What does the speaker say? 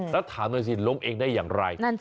แล้วถามว่าจะล้มเองได้อย่างไร